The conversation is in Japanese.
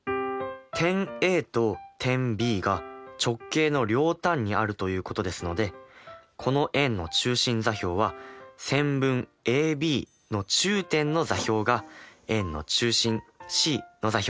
点Ａと点Ｂが直径の両端にあるということですのでこの円の中心座標は線分ＡＢの中点の座標が円の中心Ｃの座標になります。